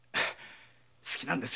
好きなんです。